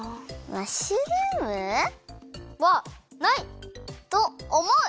マッシュルーム？はない！とおもう！